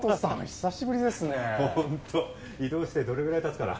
久しぶりですねホント異動してどれぐらいたつかな